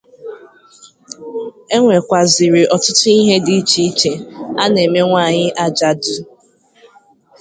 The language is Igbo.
E nwekwàzịrị ọtụtụ ihe dị iche iche a na-eme nwaanyị ajadụ